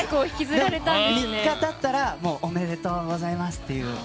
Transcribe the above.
３日経ったらおめでとうございますって。